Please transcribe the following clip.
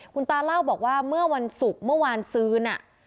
คุณตาเล่าบอกว่าเมื่อวันศุกร์เมื่อวานซื้อน่ะ